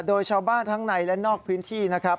โดยชาวบ้านทั้งในและนอกพื้นที่นะครับ